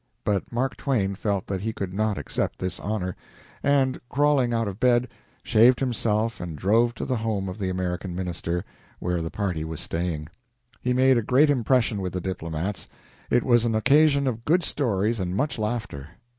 But Mark Twain felt that he could not accept this honor, and, crawling out of bed, shaved himself and drove to the home of the American minister, where the party was staying. He made a great impression with the diplomats. It was an occasion of good stories and much laughter.